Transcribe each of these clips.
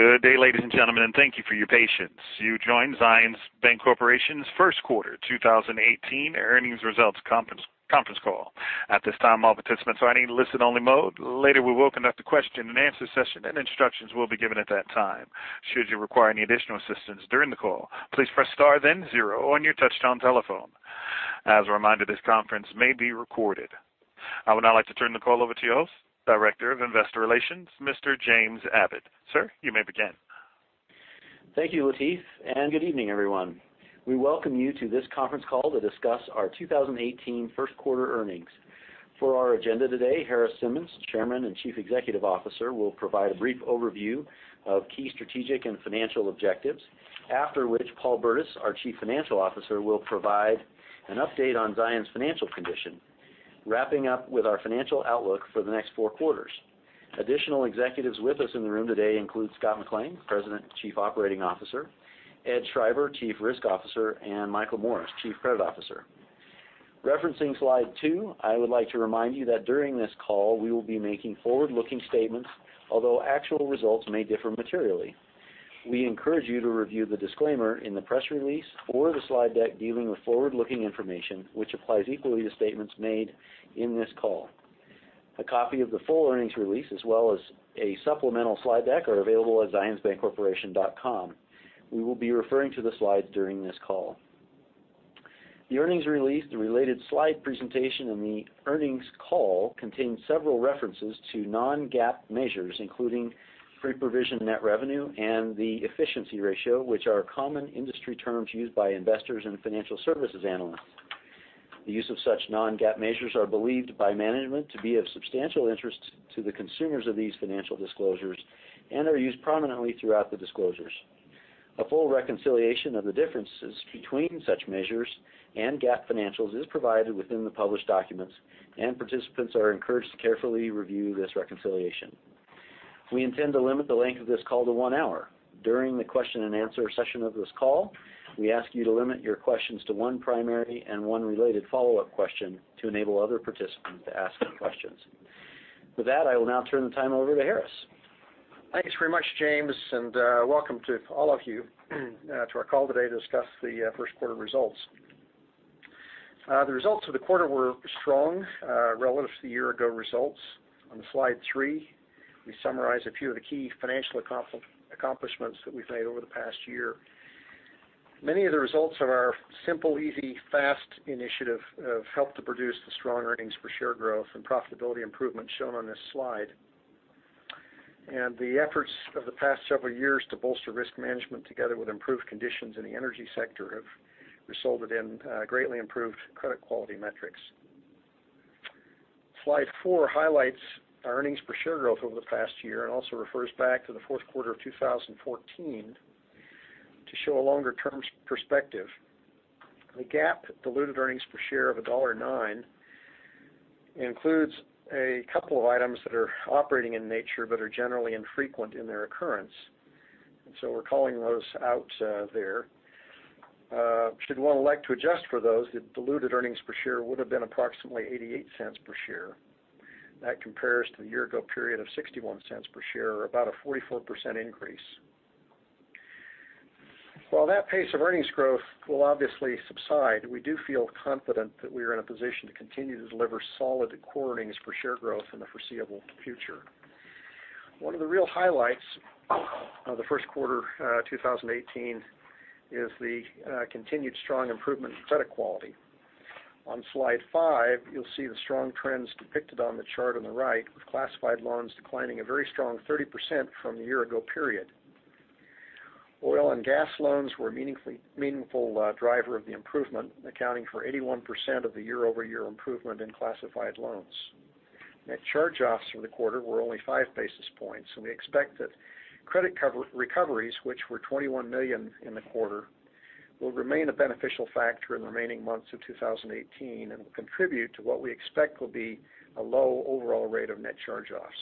Good day, ladies and gentlemen. Thank you for your patience. You joined Zions Bancorporation's first quarter 2018 earnings results conference call. At this time, all participants are in listen only mode. Later we will conduct a question and answer session, and instructions will be given at that time. Should you require any additional assistance during the call, please press star then zero on your touchtone telephone. As a reminder, this conference may be recorded. I would now like to turn the call over to your host, Director of Investor Relations, Mr. James Abbott. Sir, you may begin. Thank you, Lateef. Good evening, everyone. We welcome you to this conference call to discuss our 2018 first quarter earnings. For our agenda today, Harris Simmons, Chairman and Chief Executive Officer, will provide a brief overview of key strategic and financial objectives. After which, Paul E. Burdiss, our Chief Financial Officer, will provide an update on Zions financial condition, wrapping up with our financial outlook for the next four quarters. Additional executives with us in the room today include Scott J. McLean, President and Chief Operating Officer, Ed Schreiber, Chief Risk Officer, and Michael Morris, Chief Credit Officer. Referencing slide two, I would like to remind you that during this call, we will be making forward-looking statements, although actual results may differ materially. We encourage you to review the disclaimer in the press release or the slide deck dealing with forward-looking information, which applies equally to statements made in this call. A copy of the full earnings release, as well as a supplemental slide deck, are available at zionsbancorporation.com. We will be referring to the slides during this call. The earnings release, the related slide presentation and the earnings call contain several references to non-GAAP measures, including pre-provision net revenue and the efficiency ratio, which are common industry terms used by investors and financial services analysts. The use of such non-GAAP measures are believed by management to be of substantial interest to the consumers of these financial disclosures and are used prominently throughout the disclosures. A full reconciliation of the differences between such measures and GAAP financials is provided within the published documents, and participants are encouraged to carefully review this reconciliation. We intend to limit the length of this call to one hour. During the question and answer session of this call, we ask you to limit your questions to one primary and one related follow-up question to enable other participants to ask their questions. With that, I will now turn the time over to Harris. Thanks very much, James, and welcome to all of you to our call today to discuss the first quarter results. The results of the quarter were strong relative to the year-ago results. On slide three, we summarize a few of the key financial accomplishments that we've made over the past year. Many of the results of our simple, easy, fast initiative have helped to produce the strong earnings per share growth and profitability improvements shown on this slide. The efforts of the past several years to bolster risk management together with improved conditions in the energy sector have resulted in greatly improved credit quality metrics. Slide four highlights our earnings per share growth over the past year and also refers back to the fourth quarter of 2014 to show a longer-term perspective. The GAAP diluted earnings per share of $1.09 includes a couple of items that are operating in nature but are generally infrequent in their occurrence. We're calling those out there. Should one elect to adjust for those, the diluted earnings per share would have been approximately $0.88 per share. That compares to the year-ago period of $0.61 per share, or about a 44% increase. While that pace of earnings growth will obviously subside, we do feel confident that we are in a position to continue to deliver solid core earnings per share growth in the foreseeable future. One of the real highlights of the first quarter 2018 is the continued strong improvement in credit quality. On slide five, you'll see the strong trends depicted on the chart on the right, with classified loans declining a very strong 30% from the year-ago period. Oil and gas loans were a meaningful driver of the improvement, accounting for 81% of the year-over-year improvement in classified loans. Net charge-offs for the quarter were only five basis points, and we expect that credit recoveries, which were $21 million in the quarter, will remain a beneficial factor in the remaining months of 2018 and will contribute to what we expect will be a low overall rate of net charge-offs.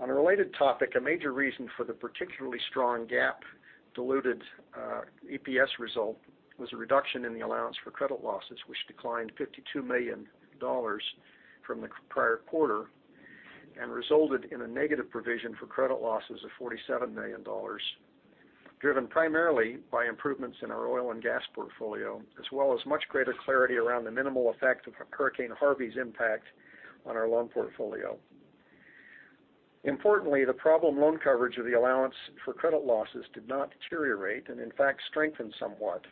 On a related topic, a major reason for the particularly strong GAAP diluted EPS result was a reduction in the allowance for credit losses, which declined $52 million from the prior quarter and resulted in a negative provision for credit losses of $47 million, driven primarily by improvements in our oil and gas portfolio, as well as much greater clarity around the minimal effect of Hurricane Harvey's impact on our loan portfolio. Importantly, the problem loan coverage of the allowance for credit losses did not deteriorate, and in fact, strengthened somewhat.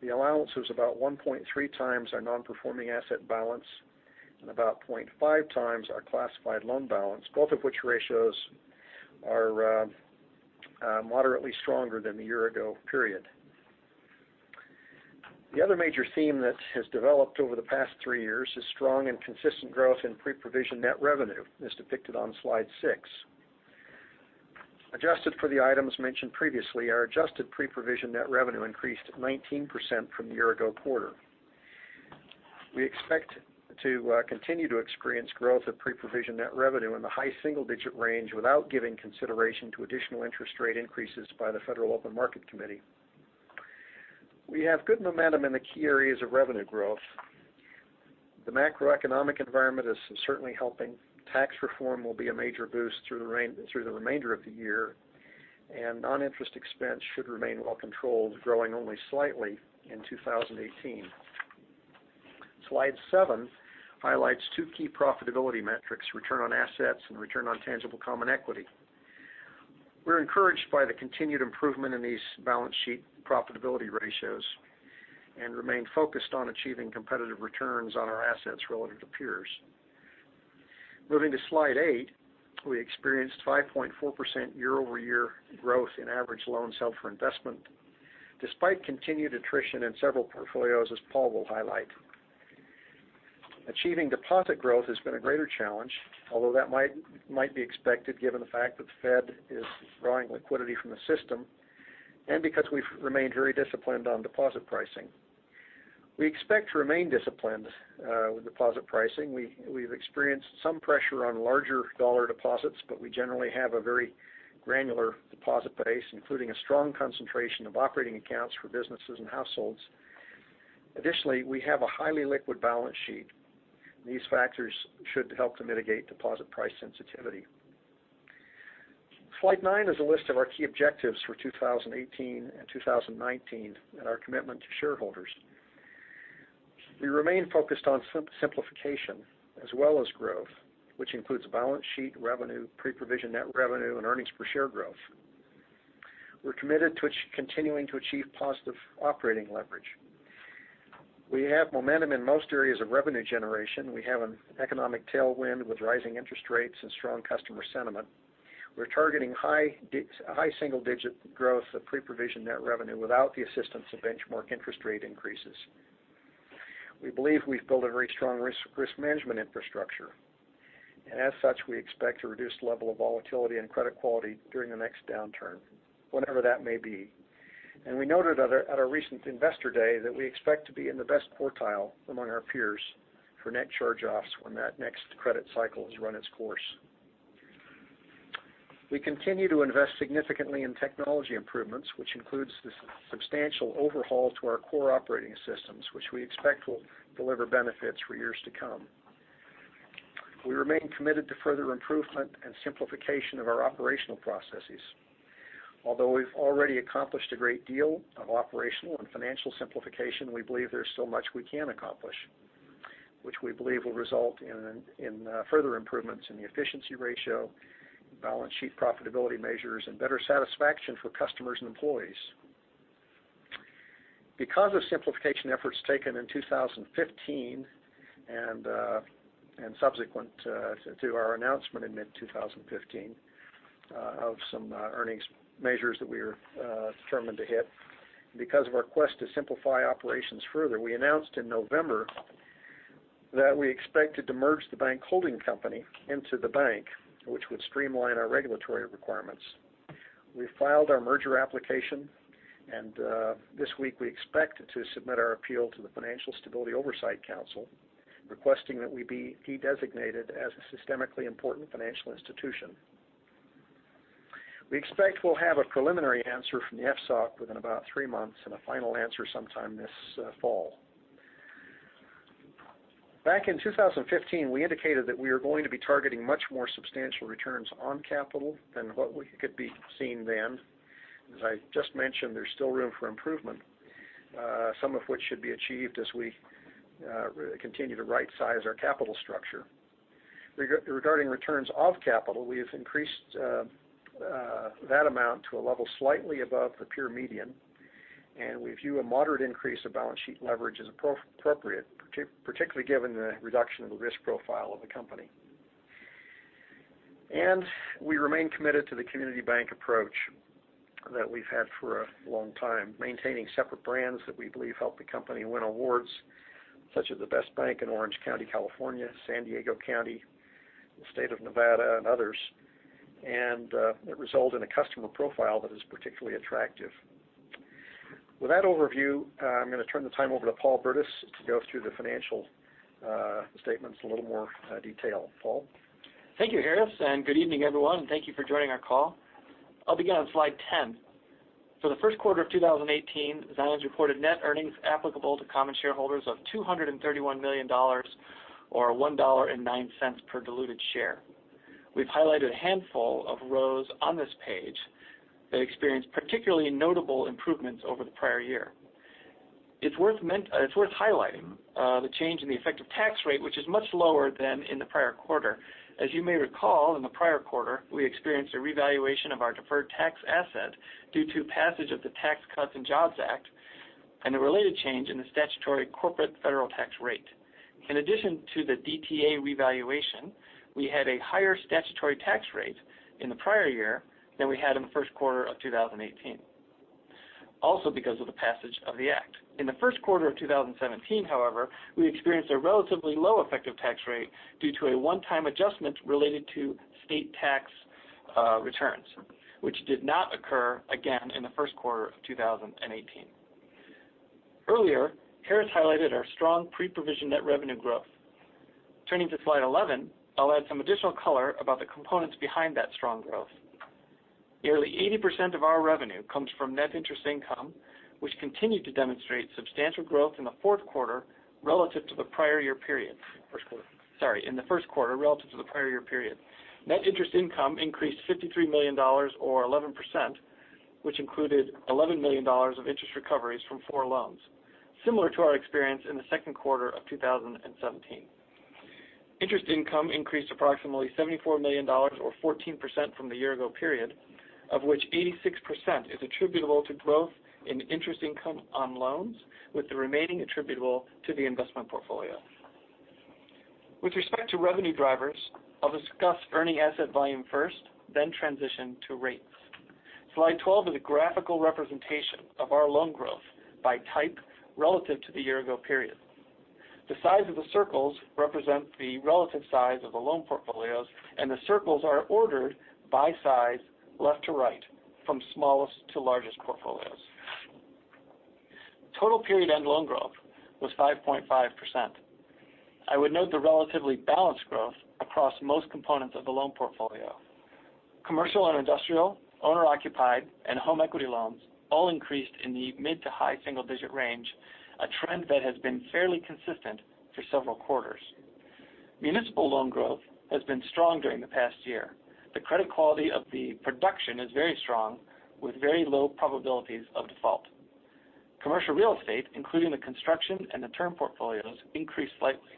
The allowance was about 1.3 times our non-performing asset balance and about 0.5 times our classified loan balance, both of which ratios are moderately stronger than the year-ago period. The other major theme that has developed over the past three years is strong and consistent growth in pre-provision net revenue, as depicted on slide six. Adjusted for the items mentioned previously, our adjusted pre-provision net revenue increased 19% from the year-ago quarter. We expect to continue to experience growth of pre-provision net revenue in the high single-digit range without giving consideration to additional interest rate increases by the Federal Open Market Committee. We have good momentum in the key areas of revenue growth. The macroeconomic environment is certainly helping. Tax reform will be a major boost through the remainder of the year. Non-interest expense should remain well controlled, growing only slightly in 2018. Slide seven highlights two key profitability metrics: return on assets and Return on Tangible Common Equity. We're encouraged by the continued improvement in these balance sheet profitability ratios and remain focused on achieving competitive returns on our assets relative to peers. Moving to slide eight, we experienced 5.4% year-over-year growth in average loans held for investment, despite continued attrition in several portfolios, as Paul will highlight. Achieving deposit growth has been a greater challenge, although that might be expected given the fact that the Fed is drawing liquidity from the system and because we've remained very disciplined on deposit pricing. We expect to remain disciplined with deposit pricing. We've experienced some pressure on larger dollar deposits. We generally have a very granular deposit base, including a strong concentration of operating accounts for businesses and households. Additionally, we have a highly liquid balance sheet. These factors should help to mitigate deposit price sensitivity. Slide nine is a list of our key objectives for 2018 and 2019 and our commitment to shareholders. We remain focused on simplification as well as growth, which includes balance sheet revenue, pre-provision net revenue, and earnings per share growth. We're committed to continuing to achieve positive operating leverage. We have momentum in most areas of revenue generation. We have an economic tailwind with rising interest rates and strong customer sentiment. We're targeting high single-digit growth of pre-provision net revenue without the assistance of benchmark interest rate increases. We believe we've built a very strong risk management infrastructure. As such, we expect to reduce level of volatility and credit quality during the next downturn, whenever that may be. We noted at our recent Investor Day that we expect to be in the best quartile among our peers for net charge-offs when that next credit cycle has run its course. We continue to invest significantly in technology improvements, which includes the substantial overhaul to our core operating systems, which we expect will deliver benefits for years to come. We remain committed to further improvement and simplification of our operational processes. Although we've already accomplished a great deal of operational and financial simplification, we believe there's still much we can accomplish, which we believe will result in further improvements in the efficiency ratio, balance sheet profitability measures, and better satisfaction for customers and employees. Because of simplification efforts taken in 2015 and subsequent to our announcement in mid-2015 of some earnings measures that we are determined to hit, because of our quest to simplify operations further, we announced in November that we expected to merge the bank holding company into the bank, which would streamline our regulatory requirements. We filed our merger application. This week we expect to submit our appeal to the Financial Stability Oversight Council, requesting that we be designated as a systemically important financial institution. We expect we'll have a preliminary answer from the FSOC within about three months and a final answer sometime this fall. Back in 2015, we indicated that we are going to be targeting much more substantial returns on capital than what we could be seeing then. As I just mentioned, there's still room for improvement, some of which should be achieved as we continue to right-size our capital structure. Regarding returns of capital, we have increased that amount to a level slightly above the peer median. We view a moderate increase of balance sheet leverage as appropriate, particularly given the reduction in the risk profile of the company. We remain committed to the community bank approach that we've had for a long time, maintaining separate brands that we believe help the company win awards, such as the best bank in Orange County, California, San Diego County, the state of Nevada, and others. It result in a customer profile that is particularly attractive. With that overview, I am going to turn the time over to Paul Burdiss to go through the financial statements in a little more detail. Paul? Thank you, Harris, and good evening, everyone. Thank you for joining our call. I'll begin on slide 10. For the first quarter of 2018, Zions reported net earnings applicable to common shareholders of $231 million, or $1.09 per diluted share. We've highlighted a handful of rows on this page that experienced particularly notable improvements over the prior year. It's worth highlighting the change in the effective tax rate, which is much lower than in the prior quarter. As you may recall, in the prior quarter, we experienced a revaluation of our deferred tax asset due to passage of the Tax Cuts and Jobs Act and a related change in the statutory corporate federal tax rate. In addition to the DTA revaluation, we had a higher statutory tax rate in the prior year than we had in the first quarter of 2018, also because of the passage of the act. In the first quarter of 2017, however, we experienced a relatively low effective tax rate due to a one-time adjustment related to state tax returns, which did not occur again in the first quarter of 2018. Earlier, Harris highlighted our strong Pre-Provision Net Revenue growth. Turning to slide 11, I'll add some additional color about the components behind that strong growth. Nearly 80% of our revenue comes from Net Interest Income, which continued to demonstrate substantial growth in the first quarter, relative to the prior year period. Net Interest Income increased $53 million or 11%, which included $11 million of interest recoveries from four loans, similar to our experience in the second quarter of 2017. Interest income increased approximately $74 million or 14% from the year ago period, of which 86% is attributable to growth in interest income on loans, with the remaining attributable to the investment portfolio. With respect to revenue drivers, I'll discuss earning asset volume first, then transition to rates. Slide 12 is a graphical representation of our loan growth by type relative to the year ago period. The size of the circles represent the relative size of the loan portfolios, and the circles are ordered by size left to right, from smallest to largest portfolios. Total period end loan growth was 5.5%. I would note the relatively balanced growth across most components of the loan portfolio. Commercial and industrial, owner-occupied, and home equity loans all increased in the mid to high single-digit range, a trend that has been fairly consistent for several quarters. Municipal loan growth has been strong during the past year. The credit quality of the production is very strong with very low probabilities of default. Commercial real estate, including the construction and the term portfolios, increased slightly.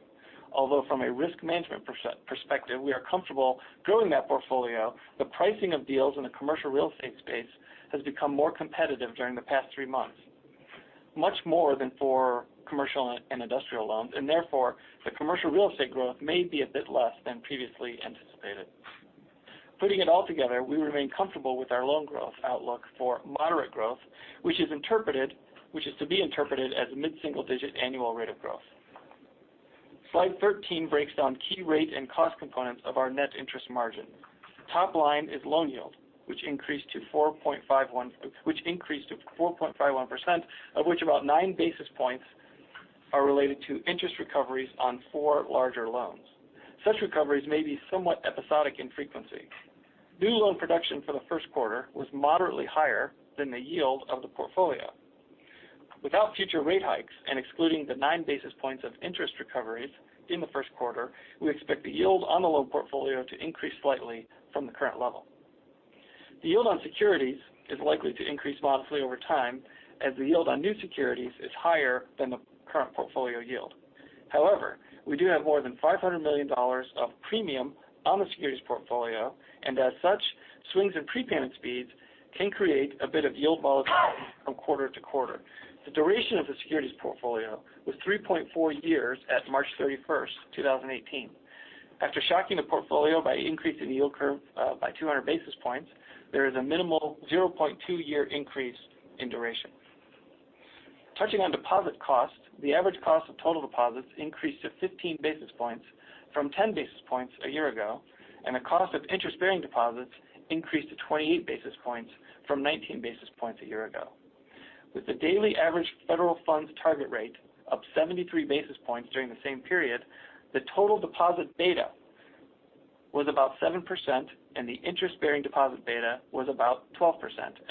Although from a risk management perspective, we are comfortable growing that portfolio, the pricing of deals in the commercial real estate space has become more competitive during the past three months, much more than for commercial and industrial loans. Therefore, the commercial real estate growth may be a bit less than previously anticipated. Putting it all together, we remain comfortable with our loan growth outlook for moderate growth, which is to be interpreted as a mid-single digit annual rate of growth. Slide 13 breaks down key rate and cost components of our Net Interest Margin. Top line is loan yield, which increased to 4.51%, of which about nine basis points are related to interest recoveries on four larger loans. Such recoveries may be somewhat episodic in frequency. New loan production for the first quarter was moderately higher than the yield of the portfolio. Without future rate hikes and excluding the nine basis points of interest recoveries in the first quarter, we expect the yield on the loan portfolio to increase slightly from the current level. The yield on securities is likely to increase modestly over time as the yield on new securities is higher than the current portfolio yield. However, we do have more than $500 million of premium on the securities portfolio. As such, swings in prepayment speeds can create a bit of yield volatility from quarter to quarter. The duration of the securities portfolio was 3.4 years at March 31st, 2018. After shocking the portfolio by increasing the yield curve by 200 basis points, there is a minimal 0.2 year increase in duration. Touching on deposit cost, the average cost of total deposits increased to 15 basis points from 10 basis points a year ago, and the cost of interest-bearing deposits increased to 28 basis points from 19 basis points a year ago. With the daily average federal funds target rate up 73 basis points during the same period, the total deposit beta was about 7% and the interest-bearing deposit beta was about 12%.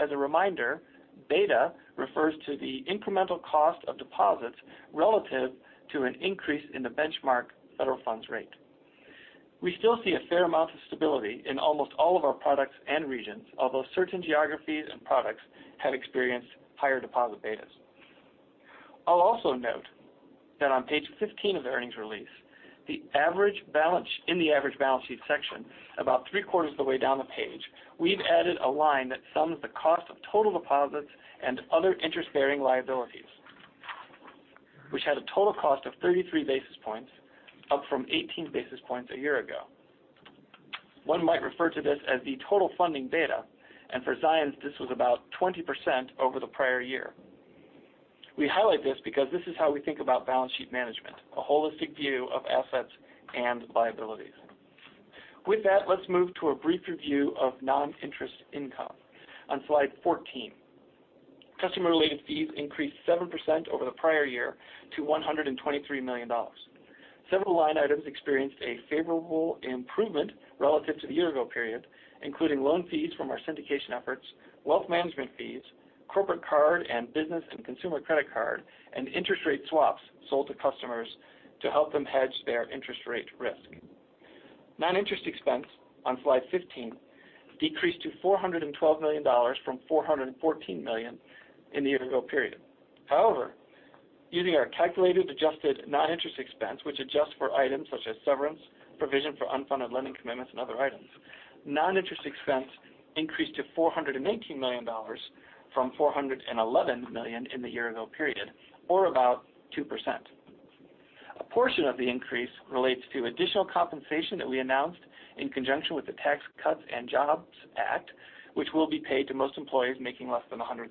As a reminder, beta refers to the incremental cost of deposits relative to an increase in the benchmark federal funds rate. We still see a fair amount of stability in almost all of our products and regions, although certain geographies and products have experienced higher deposit betas. I'll also note that on page 15 of the earnings release, in the average balance sheet section, about three-quarters of the way down the page, we've added a line that sums the cost of total deposits and other interest-bearing liabilities, which had a total cost of 33 basis points, up from 18 basis points a year ago. One might refer to this as the total funding beta. For Zions, this was about 20% over the prior year. We highlight this because this is how we think about balance sheet management, a holistic view of assets and liabilities. With that, let's move to a brief review of non-interest income on slide 14. Customer related fees increased 7% over the prior year to $123 million. Several line items experienced a favorable improvement relative to the year ago period, including loan fees from our syndication efforts, wealth management fees, corporate card, and business and consumer credit card, and interest rate swaps sold to customers to help them hedge their interest rate risk. Non-interest expense on slide 15 decreased to $412 million from $414 million in the year ago period. However, using our calculated adjusted non-interest expense, which adjusts for items such as severance, provision for unfunded lending commitments, and other items, non-interest expense increased to $419 million from $411 million in the year ago period, or about 2%. A portion of the increase relates to additional compensation that we announced in conjunction with the Tax Cuts and Jobs Act, which will be paid to most employees making less than $100,000.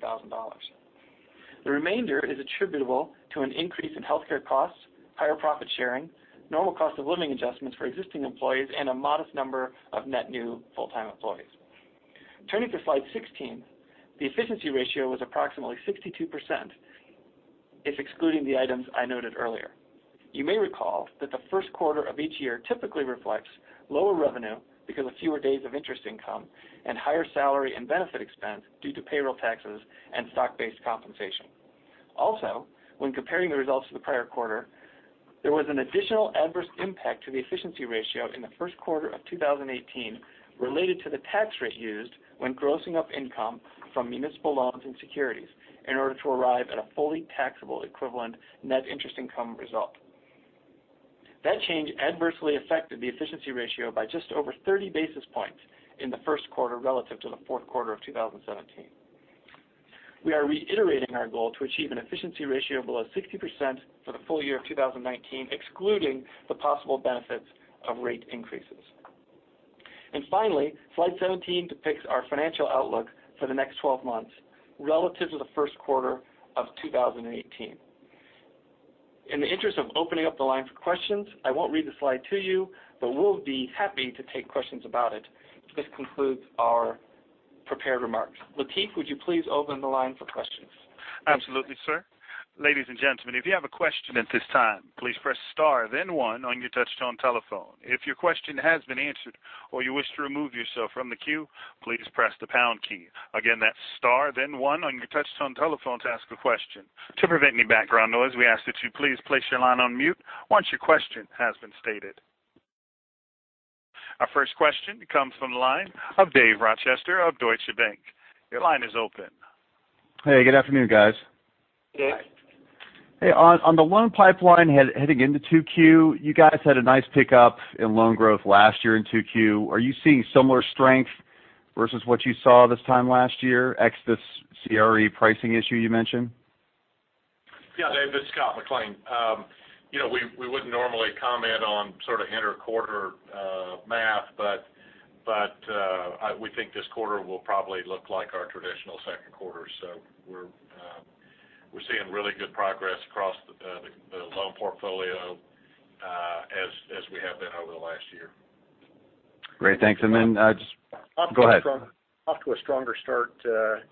The remainder is attributable to an increase in healthcare costs, higher profit sharing, normal cost of living adjustments for existing employees, and a modest number of net new full-time employees. Turning to slide 16, the efficiency ratio was approximately 62%, if excluding the items I noted earlier. You may recall that the first quarter of each year typically reflects lower revenue because of fewer days of interest income and higher salary and benefit expense due to payroll taxes and stock-based compensation. Also, when comparing the results to the prior quarter, there was an additional adverse impact to the efficiency ratio in the first quarter of 2018 related to the tax rate used when grossing up income from municipal loans and securities in order to arrive at a fully taxable equivalent net interest income result. That change adversely affected the efficiency ratio by just over 30 basis points in the first quarter relative to the fourth quarter of 2017. We are reiterating our goal to achieve an efficiency ratio below 60% for the full year of 2019, excluding the possible benefits of rate increases. Finally, slide 17 depicts our financial outlook for the next 12 months relative to the first quarter of 2018. In the interest of opening up the line for questions, I won't read the slide to you, but we'll be happy to take questions about it. This concludes our prepared remarks. Lateef, would you please open the line for questions? Absolutely, sir. Ladies and gentlemen, if you have a question at this time, please press star then one on your touchtone telephone. If your question has been answered or you wish to remove yourself from the queue, please press the pound key. Again, that's star then one on your touchtone telephone to ask a question. To prevent any background noise, we ask that you please place your line on mute once your question has been stated. Our first question comes from the line of David Rochester of Deutsche Bank. Your line is open. Hey, good afternoon, guys. Good day. Hey, on the loan pipeline heading into 2Q, you guys had a nice pickup in loan growth last year in 2Q. Are you seeing similar strength versus what you saw this time last year, ex this CRE pricing issue you mentioned? Yeah, Dave, it's Scott McLean. We wouldn't normally comment on inter-quarter math, but we think this quarter will probably look like our traditional second quarter. We're seeing really good progress across the loan portfolio as we have been over the last year. Great. Thanks. Go ahead. Off to a stronger start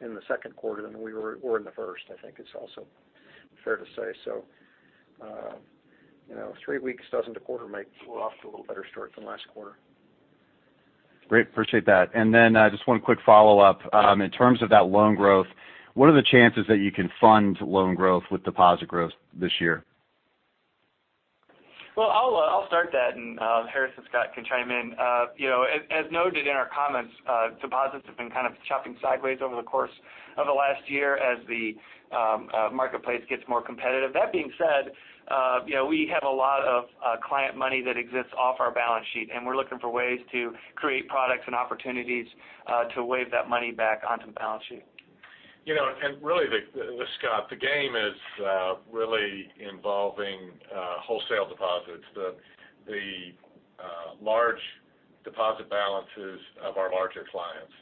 in the second quarter than we were in the first, I think it's also fair to say. Three weeks doesn't a quarter make. We're off to a little better start than last quarter. Great. Appreciate that. Just one quick follow-up. In terms of that loan growth, what are the chances that you can fund loan growth with deposit growth this year? Well, I'll start that and Harris and Scott can chime in. As noted in our comments, deposits have been kind of chopping sideways over the course of the last year as the marketplace gets more competitive. That being said, we have a lot of client money that exists off our balance sheet, and we're looking for ways to create products and opportunities to wave that money back onto the balance sheet. Really, Scott, the game is really involving wholesale deposits, the large deposit balances of our larger clients.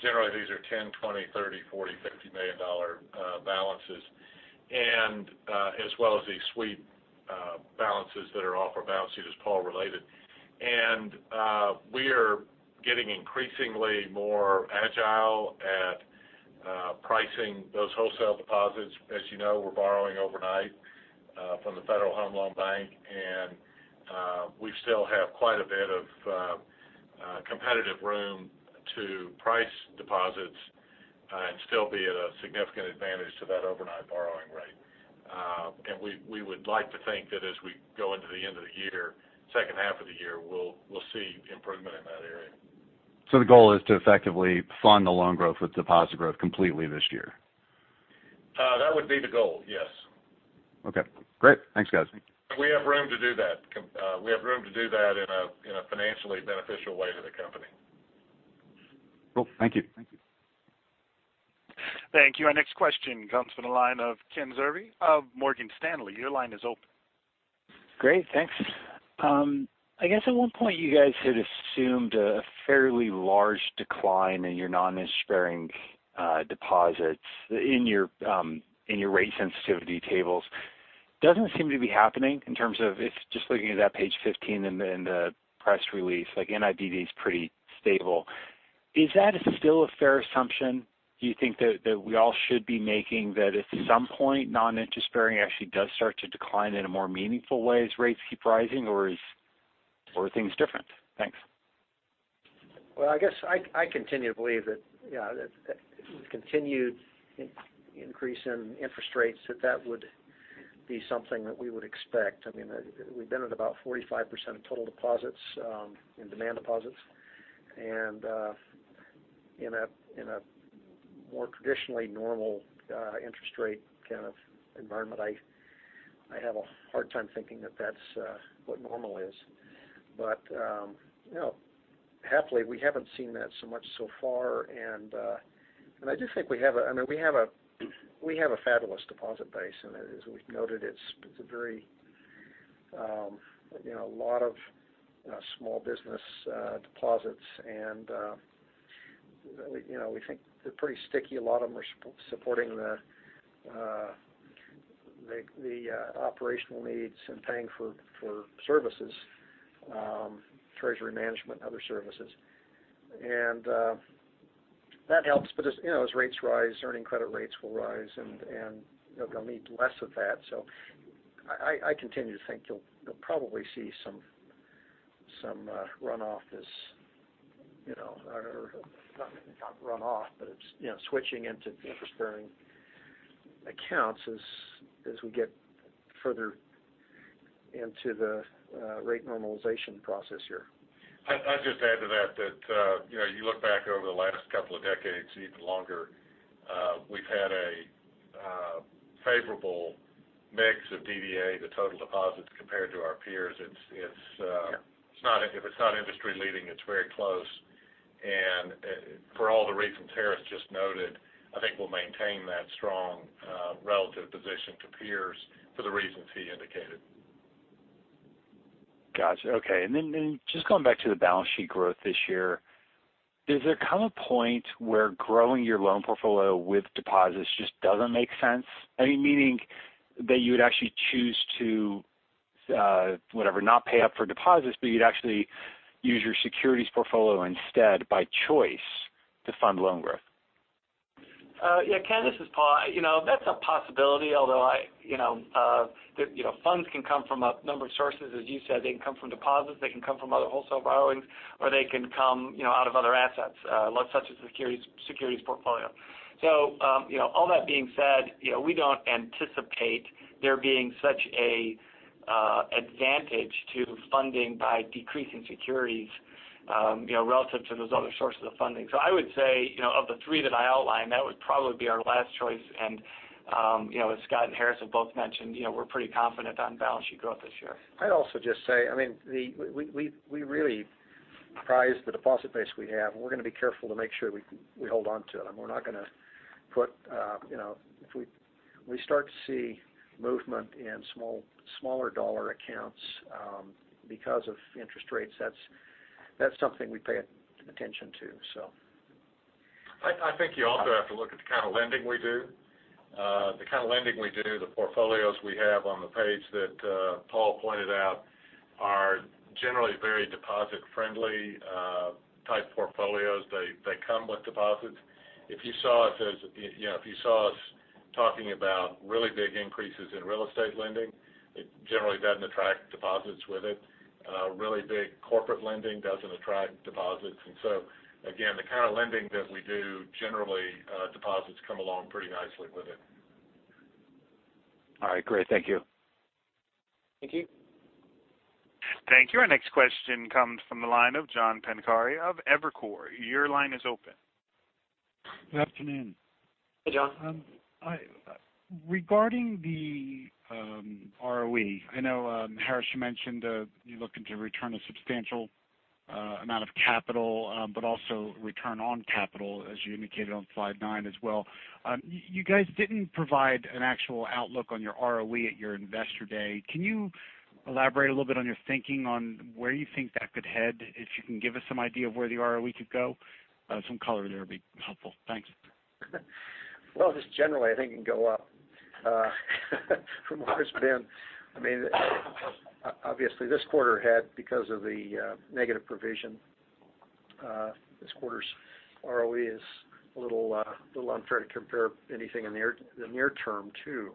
Generally, these are $10 million, $20 million, $30 million, $40 million, $50 million balances, and as well as these sweep balances that are off our balance sheet, as Paul related. We are getting increasingly more agile at pricing those wholesale deposits. As you know, we're borrowing overnight from the Federal Home Loan Bank, and we still have quite a bit of competitive room to price deposits and still be at a significant advantage to that overnight borrowing rate. We would like to think that as we go into the end of the year, second half of the year, we'll see improvement in that area. The goal is to effectively fund the loan growth with deposit growth completely this year? That would be the goal, yes. Okay, great. Thanks, guys. We have room to do that. We have room to do that in a financially beneficial way to the company. Cool. Thank you. Thank you. Our next question comes from the line of Ken Zerbe of Morgan Stanley. Your line is open. Great. Thanks. I guess at one point you guys had assumed a fairly large decline in your non-interest-bearing deposits in your rate sensitivity tables. Doesn't seem to be happening in terms of if just looking at that page 15 in the press release, like NIBD is pretty stable. Is that still a fair assumption, do you think, that we all should be making that at some point, non-interest bearing actually does start to decline in a more meaningful way as rates keep rising? Or are things different? Thanks. Well, I guess I continue to believe that the continued increase in interest rates, that that would be something that we would expect. I mean, we've been at about 45% of total deposits in demand deposits. In a more traditionally normal interest rate kind of environment, I have a hard time thinking that that's what normal is. Happily, we haven't seen that so much so far. I do think we have a fabulous deposit base. As we've noted, it's a lot of small business deposits. We think they're pretty sticky. A lot of them are supporting the The operational needs and paying for services, treasury management and other services. That helps. As rates rise, earning credit rates will rise, and they'll need less of that. I continue to think you'll probably see some runoff or not runoff, but it's switching into interest-bearing accounts as we get further into the rate normalization process here. I'd just add to that, you look back over the last couple of decades, even longer, we've had a favorable mix of DDA, the total deposits compared to our peers. If it's not industry leading, it's very close. For all the reasons Harris just noted, I think we'll maintain that strong relative position to peers for the reasons he indicated. Got you. Okay. Just going back to the balance sheet growth this year. Does there come a point where growing your loan portfolio with deposits just doesn't make sense? Meaning that you would actually choose to not pay up for deposits, but you'd actually use your securities portfolio instead by choice to fund loan growth. Yeah, Ken, this is Paul. That's a possibility, although funds can come from a number of sources. As you said, they can come from deposits, they can come from other wholesale borrowings, or they can come out of other assets, such as the securities portfolio. All that being said, we don't anticipate there being such an advantage to funding by decreasing securities relative to those other sources of funding. I would say, of the three that I outlined, that would probably be our last choice. As Scott and Harris have both mentioned, we're pretty confident on balance sheet growth this year. I'd also just say, we really prize the deposit base we have, and we're going to be careful to make sure we hold onto it. If we start to see movement in smaller dollar accounts because of interest rates, that's something we pay attention to. I think you also have to look at the kind of lending we do. The portfolios we have on the page that Paul pointed out are generally very deposit-friendly type portfolios. They come with deposits. If you saw us talking about really big increases in real estate lending, it generally doesn't attract deposits with it. Really big corporate lending doesn't attract deposits. Again, the kind of lending that we do, generally deposits come along pretty nicely with it. All right, great. Thank you. Thank you. Thank you. Our next question comes from the line of John Pancari of Evercore. Your line is open. Good afternoon. Hey, John. Regarding the ROE, I know, Harris, you mentioned you're looking to return a substantial amount of capital, but also return on capital as you indicated on slide nine as well. You guys didn't provide an actual outlook on your ROE at your investor day. Can you elaborate a little bit on your thinking on where you think that could head? If you can give us some idea of where the ROE could go, some color there would be helpful. Thanks. Well, just generally, I think it can go up from where it's been. Obviously this quarter had, because of the negative provision, this quarter's ROE is a little unfair to compare anything in the near term to.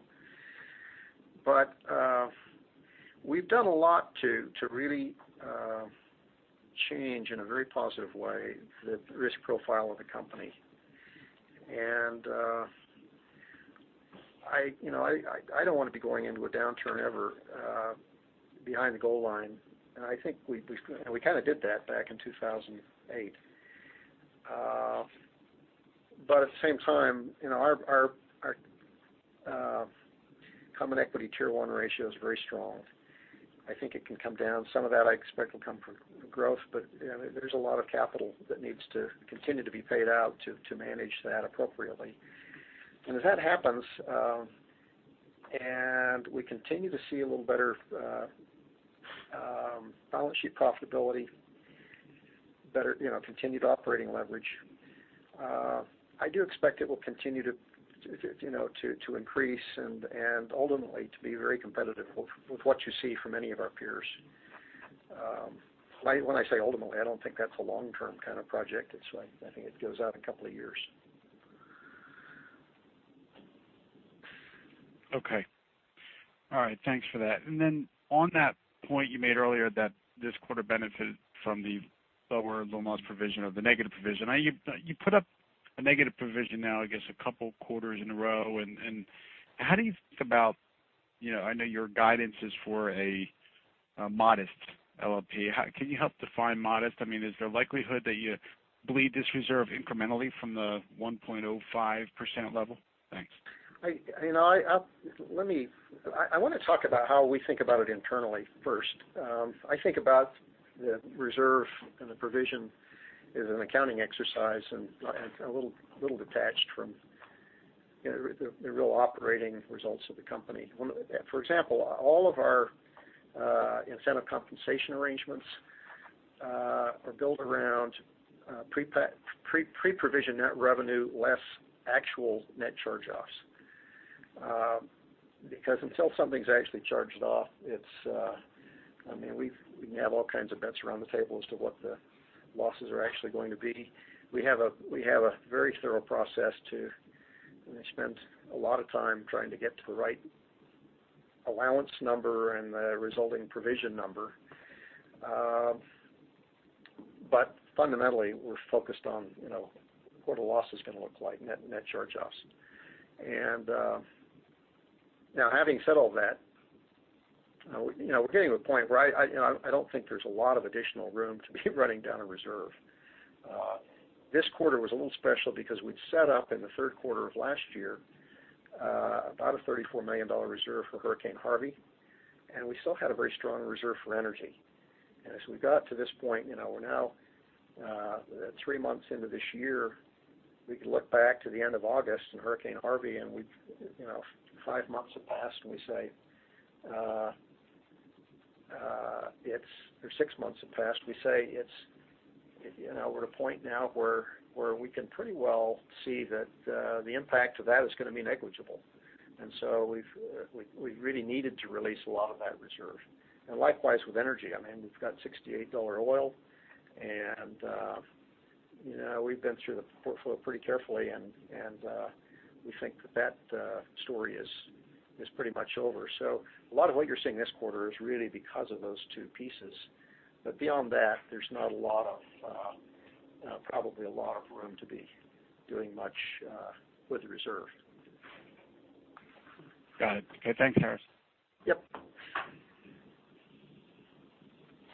But we've done a lot to really change in a very positive way the risk profile of the company. And I don't want to be going into a downturn ever behind the goal line. And I think we kind of did that back in 2008. At the same time, our Common Equity Tier 1 ratio is very strong. I think it can come down. Some of that I expect will come from growth, but there's a lot of capital that needs to continue to be paid out to manage that appropriately. As that happens, and we continue to see a little better balance sheet profitability, better continued operating leverage, I do expect it will continue to increase and ultimately to be very competitive with what you see from any of our peers. When I say ultimately, I don't think that's a long-term kind of project. I think it goes out a couple of years. Okay. All right. Thanks for that. On that point you made earlier that this quarter benefited from the lower loan loss provision or the negative provision. You put up a negative provision now, I guess a couple of quarters in a row, and how do you think about, I know your guidance is for a modest LLP. Can you help define modest? Is there a likelihood that you bleed this reserve incrementally from the 1.05% level? Thanks. I want to talk about how we think about it internally first. I think about the reserve and the provision as an accounting exercise and a little detached from the real operating results of the company. For example, all of our incentive compensation arrangements are built around pre-provision net revenue less actual net charge-offs. Because until something's actually charged off, we can have all kinds of bets around the table as to what the losses are actually going to be. We have a very thorough process and we spent a lot of time trying to get to the right allowance number and the resulting provision number. Fundamentally, we're focused on what a loss is going to look like, net charge-offs. Now, having said all that, we're getting to a point where I don't think there's a lot of additional room to be running down a reserve. This quarter was a little special because we'd set up in the third quarter of last year about a $34 million reserve for Hurricane Harvey, and we still had a very strong reserve for energy. As we got to this point, we're now three months into this year. We can look back to the end of August and Hurricane Harvey, and five months have passed, or six months have passed. We say we're at a point now where we can pretty well see that the impact of that is going to be negligible. So we really needed to release a lot of that reserve. Likewise with energy. We've got $68 oil and we've been through the portfolio pretty carefully, and we think that story is pretty much over. A lot of what you're seeing this quarter is really because of those two pieces. Beyond that, there's not probably a lot of room to be doing much with the reserve. Got it. Okay. Thanks, Harris. Yep.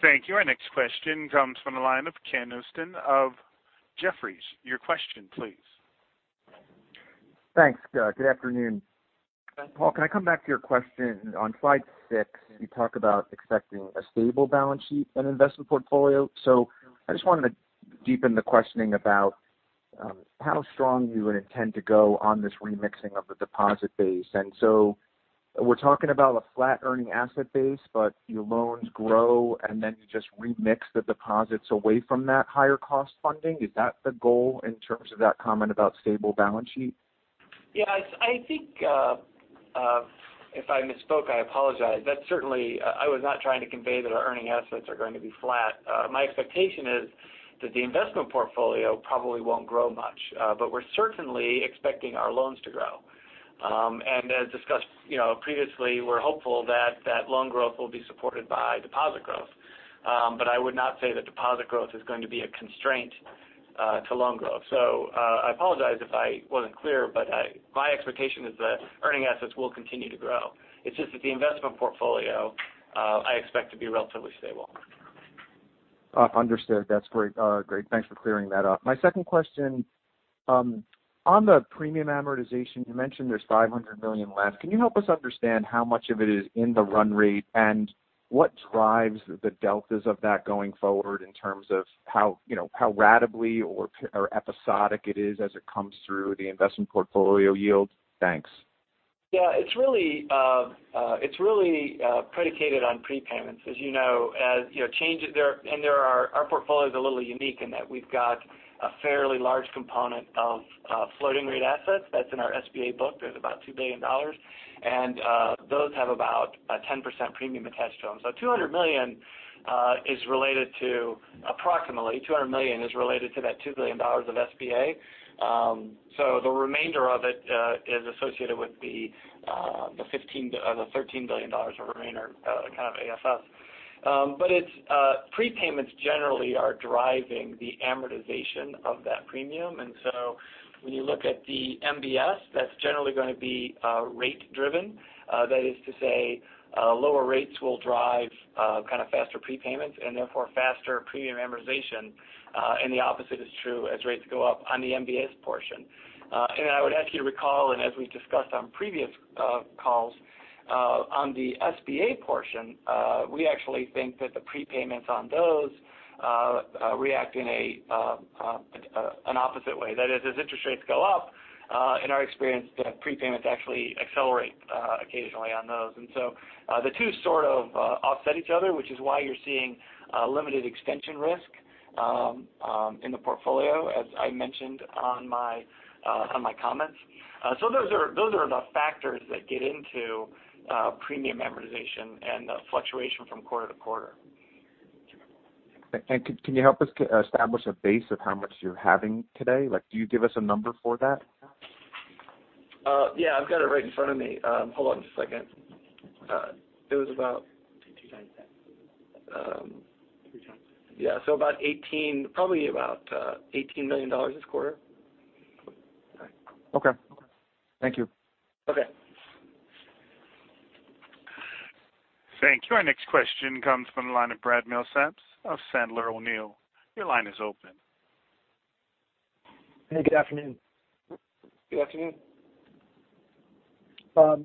Thank you. Our next question comes from the line of Ken Usdin of Jefferies. Your question, please. Thanks. Good afternoon. Hi. Paul, can I come back to your question on slide six? I just wanted to deepen the questioning about how strong you would intend to go on this remixing of the deposit base. We're talking about a flat earning asset base, but your loans grow, and then you just remix the deposits away from that higher cost funding. Is that the goal in terms of that comment about stable balance sheet? Yes. I think if I misspoke, I apologize. I was not trying to convey that our earning assets are going to be flat. My expectation is that the investment portfolio probably won't grow much. We're certainly expecting our loans to grow. As discussed previously, we're hopeful that that loan growth will be supported by deposit growth. I would not say that deposit growth is going to be a constraint to loan growth. I apologize if I wasn't clear, but my expectation is that earning assets will continue to grow. It's just that the investment portfolio, I expect to be relatively stable. Understood. That's great. Thanks for clearing that up. My second question. On the premium amortization, you mentioned there's $500 million left. Can you help us understand how much of it is in the run rate and what drives the deltas of that going forward in terms of how ratably or episodic it is as it comes through the investment portfolio yield? Thanks. It's really predicated on prepayments. As you know, our portfolio is a little unique in that we've got a fairly large component of floating rate assets. That's in our SBA book. There's about $2 billion. Those have about a 10% premium attached to them. Approximately $200 million is related to that $2 billion of SBA. The remainder of it is associated with the $13 billion of remainder kind of AFS. Prepayments generally are driving the amortization of that premium. When you look at the MBS, that's generally going to be rate driven. That is to say lower rates will drive kind of faster prepayments and therefore faster premium amortization. The opposite is true as rates go up on the MBS portion. I would ask you to recall, and as we discussed on previous calls, on the SBA portion, we actually think that the prepayments on those react in an opposite way. That is, as interest rates go up, in our experience, the prepayments actually accelerate occasionally on those. The two sort of offset each other, which is why you're seeing limited extension risk in the portfolio, as I mentioned on my comments. Those are the factors that get into premium amortization and the fluctuation from quarter to quarter. Can you help us establish a base of how much you're having today? Can you give us a number for that? Yeah. I've got it right in front of me. Hold on just a second. 2.7. 3. Yeah. Probably about $18 million this quarter. Okay. Thank you. Okay. Thank you. Our next question comes from the line of Brad Milsaps of Sandler O'Neill. Your line is open. Hey, good afternoon. Good afternoon.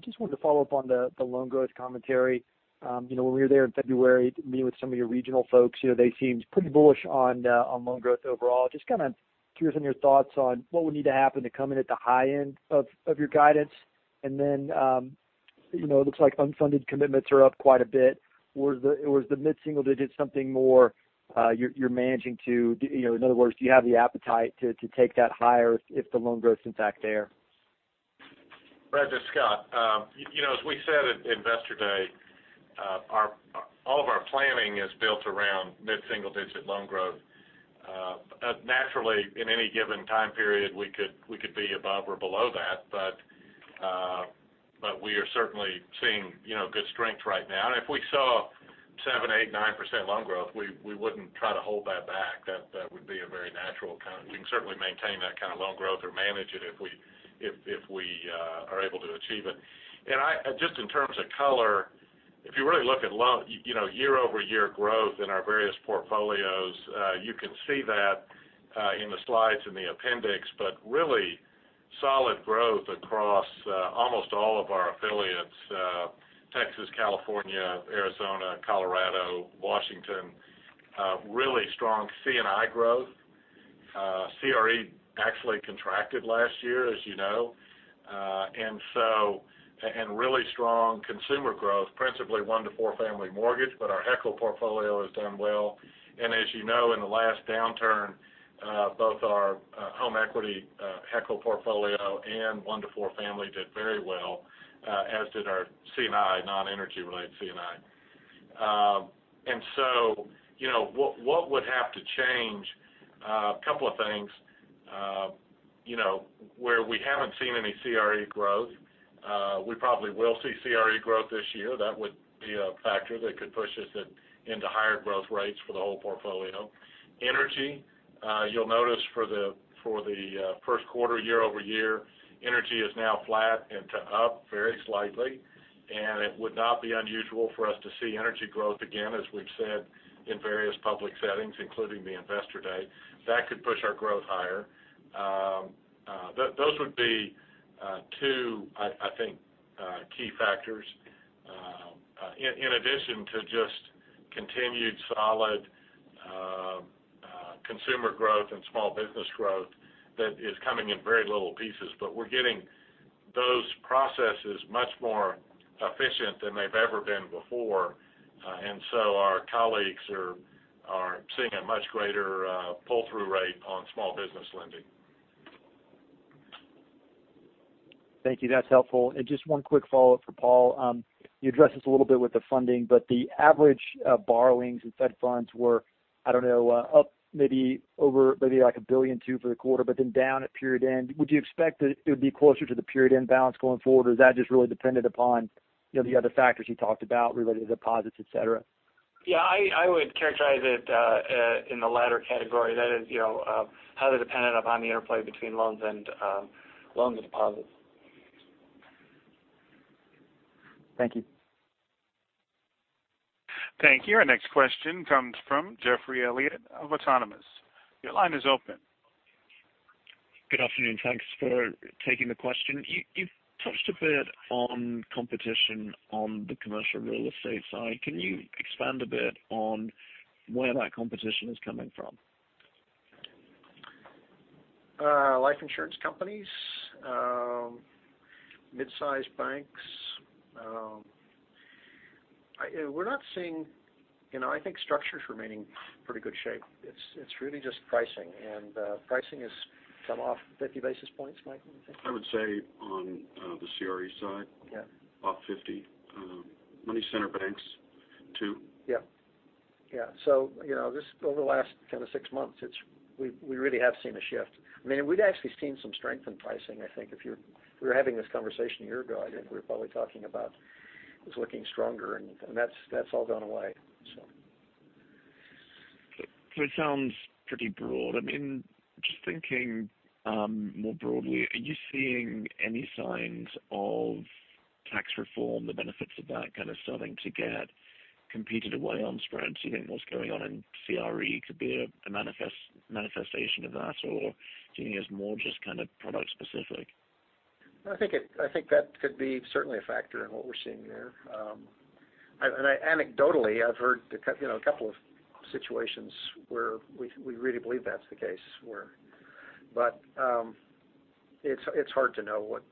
Just wanted to follow up on the loan growth commentary. When we were there in February to meet with some of your regional folks, they seemed pretty bullish on loan growth overall. Just kind of curious on your thoughts on what would need to happen to come in at the high end of your guidance. It looks like unfunded commitments are up quite a bit. Was the mid-single digit something more you're managing to? In other words, do you have the appetite to take that higher if the loan growth's in fact there? Brad, this is Scott. As we said at Investor Day, all of our planning is built around mid-single-digit loan growth. Naturally, in any given time period, we could be above or below that. We are certainly seeing good strength right now. If we saw seven%, eight%, nine% loan growth, we wouldn't try to hold that back. That would be very natural. We can certainly maintain that kind of loan growth or manage it if we are able to achieve it. Just in terms of color, if you really look at year-over-year growth in our various portfolios, you can see that in the slides in the appendix, but really solid growth across almost all of our affiliates Texas, California, Arizona, Colorado, Washington. Really strong C&I growth. CRE actually contracted last year, as you know. Really strong consumer growth, principally one to four family mortgage, but our HELOC portfolio has done well. As you know, in the last downturn, both our home equity HELOC portfolio and one to four family did very well, as did our C&I, non-energy related C&I. What would have to change? A couple of things. Where we haven't seen any CRE growth. We probably will see CRE growth this year. That would be a factor that could push us into higher growth rates for the whole portfolio. Energy, you'll notice for the first quarter year-over-year, energy is now flat and to up very slightly. It would not be unusual for us to see energy growth again, as we've said in various public settings, including the Investor Day. That could push our growth higher. Those would be two, I think, key factors in addition to just continued solid consumer growth and small business growth that is coming in very little pieces, but we're getting those processes much more efficient than they've ever been before. Our colleagues are seeing a much greater pull-through rate on small business lending. Thank you. That's helpful. Just one quick follow-up for Paul. You addressed this a little bit with the funding, but the average borrowings in Fed funds were, I don't know, up maybe like $1.2 billion for the quarter, but then down at period end. Would you expect that it would be closer to the period end balance going forward, or is that just really dependent upon the other factors you talked about related to deposits, et cetera? Yeah, I would characterize it in the latter category. That is, highly dependent upon the interplay between loans and deposits. Thank you. Thank you. Our next question comes from Geoffrey Elliott of Autonomous. Your line is open. Good afternoon. Thanks for taking the question. You've touched a bit on competition on the commercial real estate side. Can you expand a bit on where that competition is coming from? Life insurance companies, mid-size banks. We're not seeing I think structure's remaining in pretty good shape. It's really just pricing, and pricing has come off 50 basis points, Mike, would you think? I would say on the CRE side- Yeah off 50. Money center banks, too. Yeah. Over the last six months, we really have seen a shift. We've actually seen some strength in pricing. I think if we were having this conversation a year ago, I think we were probably talking about it was looking stronger, and that's all gone away. It sounds pretty broad. Just thinking more broadly, are you seeing any signs of tax reform, the benefits of that kind of starting to get competed away on spreads? Do you think what's going on in CRE could be a manifestation of that, or do you think it's more just kind of product specific? I think that could be certainly a factor in what we're seeing there. Anecdotally, I've heard a couple of situations where we really believe that's the case. It's hard to know what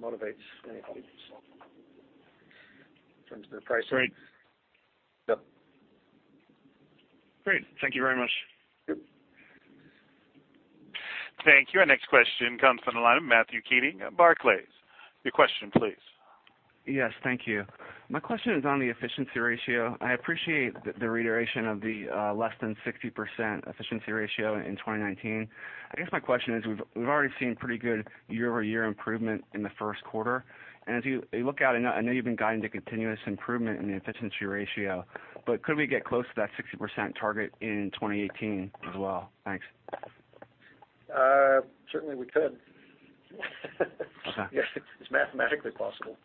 motivates any of these in terms of their pricing. Great. Yep. Great. Thank you very much. Yep. Thank you. Our next question comes from the line of Matthew Keating at Barclays. Your question, please. Yes, thank you. My question is on the efficiency ratio. I appreciate the reiteration of the less than 60% efficiency ratio in 2019. I guess my question is, we've already seen pretty good year-over-year improvement in the first quarter. As you look out, I know you've been guiding to continuous improvement in the efficiency ratio, but could we get close to that 60% target in 2018 as well? Thanks. Certainly, we could. Okay. It's mathematically possible.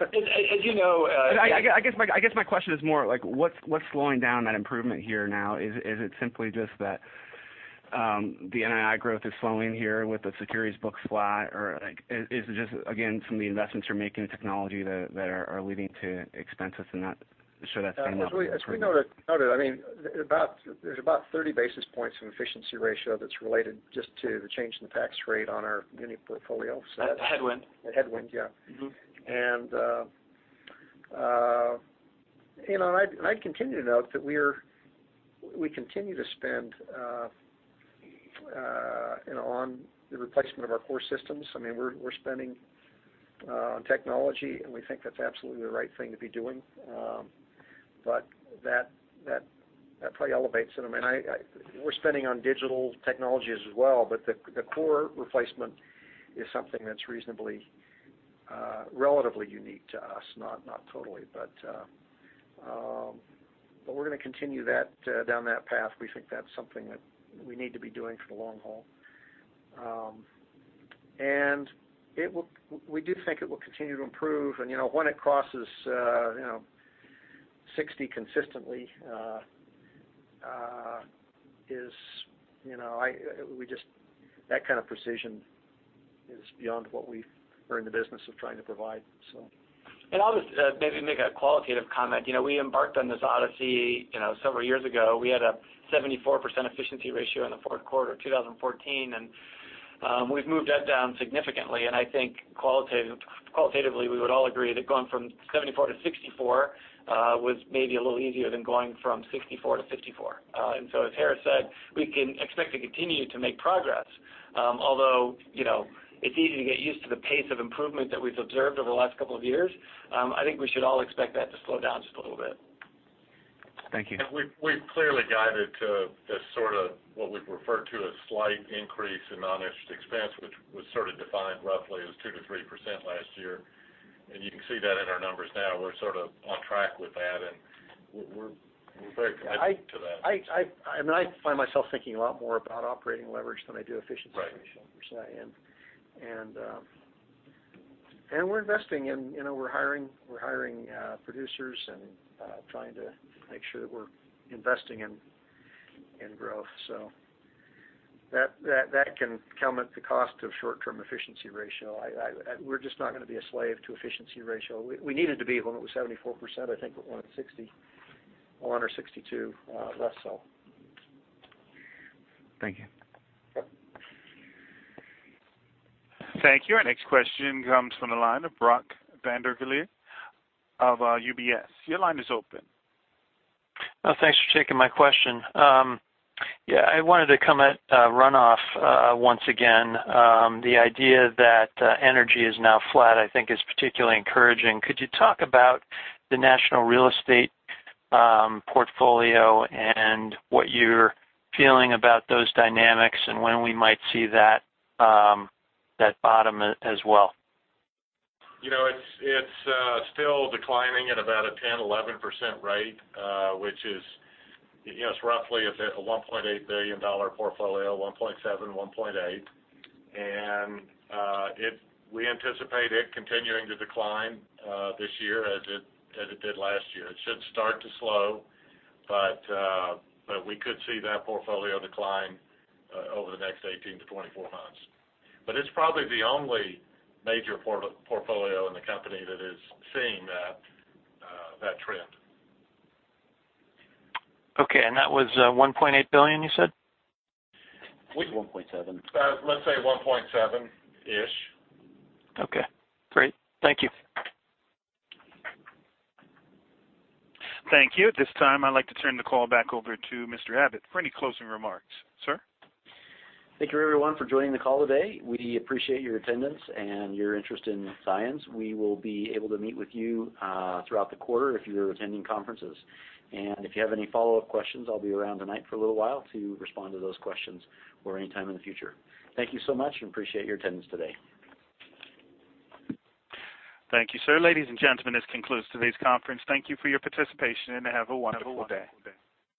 As you know. I guess my question is more like what's slowing down that improvement here now? Is it simply just that the NII growth is slowing here with the securities book slog, or is it just, again, some of the investments you're making in technology that are leading to expenses and that should have toned up improvement? As we noted, there's about 30 basis points of efficiency ratio that's related just to the change in the tax rate on our muni portfolio. That's a headwind. A headwind, yeah. I'd continue to note that we continue to spend on the replacement of our core systems. We're spending on technology, and we think that's absolutely the right thing to be doing. That probably elevates it. We're spending on digital technologies as well, but the core replacement is something that's reasonably, relatively unique to us, not totally. We're going to continue down that path. We think that's something that we need to be doing for the long haul. We do think it will continue to improve. When it crosses 60 consistently, that kind of precision is beyond what we are in the business of trying to provide. I'll just maybe make a qualitative comment. We embarked on this odyssey several years ago. We had a 74% efficiency ratio in the fourth quarter of 2014, and we've moved that down significantly. I think qualitatively, we would all agree that going from 74% to 64% was maybe a little easier than going from 64% to 54%. As Harris said, we can expect to continue to make progress. Although, it's easy to get used to the pace of improvement that we've observed over the last couple of years. I think we should all expect that to slow down just a little bit. Thank you. We've clearly guided to this sort of what we've referred to as slight increase in non-interest expense, which was sort of defined roughly as 2% to 3% last year. You can see that in our numbers now. We're sort of on track with that, and we're very committed to that. I find myself thinking a lot more about operating leverage than I do efficiency ratio, per se. Right. We're investing in, we're hiring producers and trying to make sure that we're investing in growth. That can come at the cost of short-term efficiency ratio. We're just not going to be a slave to efficiency ratio. We needed to be when it was 74%. I think we're 60 or under 62, less so. Thank you. Thank you. Our next question comes from the line of Brock Vandervliet of UBS. Your line is open. Thanks for taking my question. I wanted to come at runoff once again. The idea that energy is now flat, I think is particularly encouraging. Could you talk about the national real estate portfolio and what you're feeling about those dynamics and when we might see that bottom as well? It's still declining at about a 10%, 11% rate which is roughly a $1.8 billion portfolio, $1.7 billion, $1.8 billion. We anticipate it continuing to decline this year as it did last year. It should start to slow, but we could see that portfolio decline over the next 18 to 24 months. It's probably the only major portfolio in the company that is seeing that trend. Okay. That was $1.8 billion, you said? I think it's $1.7 billion. Let's say 1.7-ish. Okay, great. Thank you. Thank you. At this time, I'd like to turn the call back over to Mr. Abbott for any closing remarks. Sir? Thank you everyone for joining the call today. We appreciate your attendance and your interest in Zions. We will be able to meet with you throughout the quarter if you're attending conferences. If you have any follow-up questions, I'll be around tonight for a little while to respond to those questions or any time in the future. Thank you so much and appreciate your attendance today. Thank you, sir. Ladies and gentlemen, this concludes today's conference. Thank you for your participation, and have a wonderful day.